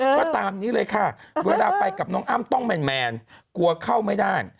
ก็ตามนี้เลยค่ะเวลาไปกับน้องอ้ำต้องแมนกลัวเข้าไม่ได้